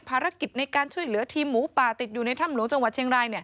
ภารกิจในการช่วยเหลือทีมหมูป่าติดอยู่ในถ้ำหลวงจังหวัดเชียงราย